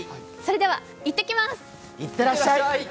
それでは、いってきます！